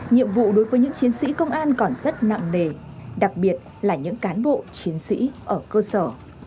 nhiệm vụ đối với những chiến sĩ công an còn rất nặng nề đặc biệt là những cán bộ chiến sĩ ở cơ sở